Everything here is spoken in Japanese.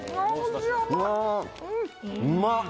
あうまっ！